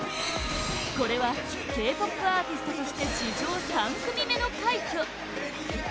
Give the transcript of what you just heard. これはＫ‐ＰＯＰアーティストとして史上３組目の快挙！